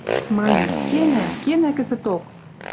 Маньым: «Кенӓ, кенӓ кӹзӹток!